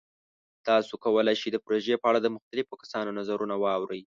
تاسو کولی شئ د پروژې په اړه د مختلفو کسانو نظرونه واورئ.